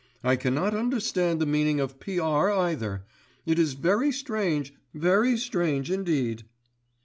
I cannot understand the meaning of P.R. either. It is very strange, very strange indeed."